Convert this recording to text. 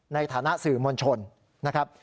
ในฐานะสื่อมวลชนนะครับ